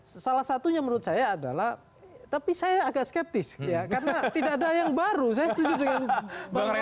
salah satunya menurut saya adalah tapi saya agak skeptis ya karena tidak ada yang baru saya setuju dengan bang ray